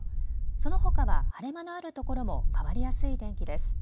そのほかは晴れ間のあるところも変わりやすい天気です。